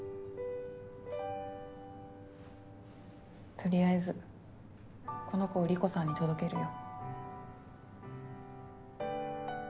とりあえずこの子を理子さんに届けるよ。